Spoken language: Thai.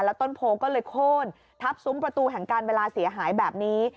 ต้นโพก็เลยโค้นทับซุ้มประตูแห่งการเวลาเสียหายแบบนี้